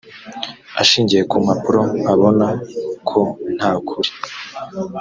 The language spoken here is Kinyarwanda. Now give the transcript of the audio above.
ashingiye ku mpapuro abona ko nta kuri